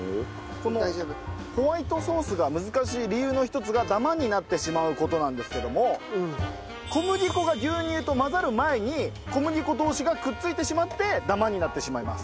このホワイトソースが難しい理由の一つがダマになってしまう事なんですけども小麦粉が牛乳と混ざる前に小麦粉同士がくっついてしまってダマになってしまいます。